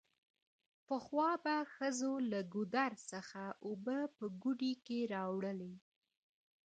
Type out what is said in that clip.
پخوا به ښځو له ګودر څخه اوبه په ګوډي کې راوړلې